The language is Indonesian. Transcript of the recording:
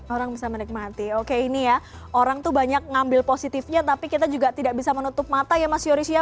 orang bisa menikmati oke ini ya orang tuh banyak ngambil positifnya tapi kita juga tidak bisa menutup mata ya mas yoris ya